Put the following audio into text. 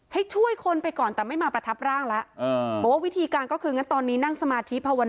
ให้ช่วยคนไปก่อนแต่ไม่มาประทับร่างแล้ว